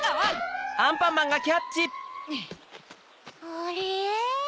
あれ？